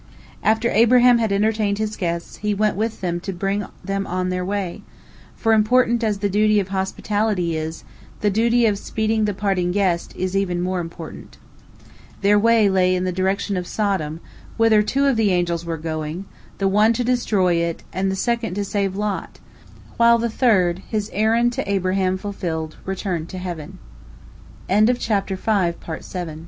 After Abraham had entertained his guests, he went with them to bring them on their way, for, important as the duty of hospitality is, the duty of speeding the parting guest is even more important. Their way lay in the direction of Sodom, whither two of the angels were going, the one to destroy it, and the second to save Lot, while the third, his errand to Abraha